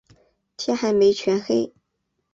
天还没全黑